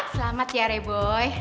selamat ya re boy